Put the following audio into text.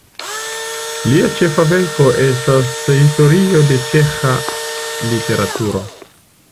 Lia ĉefa verko estas Historio de ĉeĥa literaturo.